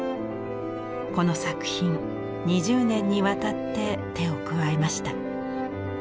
この作品２０年にわたって手を加えました。